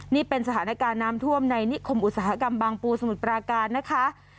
นี่เป็นสถานการณ์น้ำท่วมในนิคมอุตสาหกรรมบางปูสมุทรปราการนะคะ